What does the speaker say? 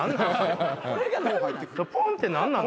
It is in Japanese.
「ポン！」って何なの？